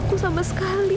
tunggu sekedar pola